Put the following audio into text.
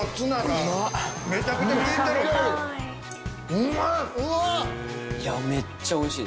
うまい！